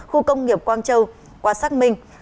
khu công nghiệp quang châu qua sắc minh